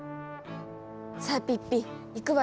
さあピッピ行くわよ。